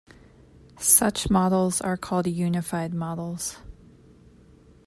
Such models are called unified models.